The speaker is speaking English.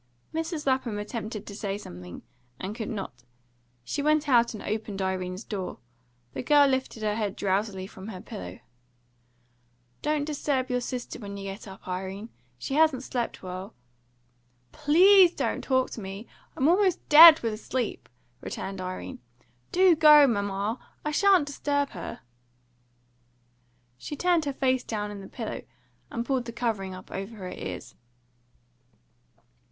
Mrs. Lapham attempted to say something, and could not. She went out and opened Irene's door. The girl lifted her head drowsily from her pillow "Don't disturb your sister when you get up, Irene. She hasn't slept well " "PLEASE don't talk! I'm almost DEAD with sleep!" returned Irene. "Do go, mamma! I shan't disturb her." She turned her face down in the pillow, and pulled the covering up over her ears.